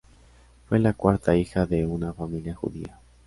Fue la cuarta hija de una familia judía.